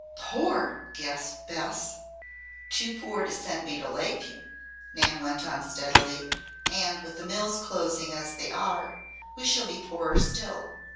"Poor!" gasped Bess. "Too poor to send me to Lakeview," Nan went on steadily. "And with the mills closing as they are, we shall be poorer still.